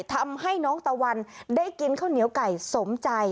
ทำให้น้องตะวันได้กินข้าวเหนียวไก่สมใจ